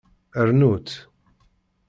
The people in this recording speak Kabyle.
Rnu-tt.